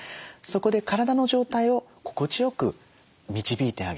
そこで体の状態を心地よく導いてあげる。